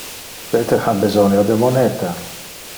Peter besonia de moneta.